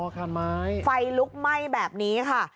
คันไม้ไฟลุกไหม้แบบนี้ค่ะ